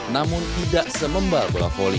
namun tidak semembal bola voli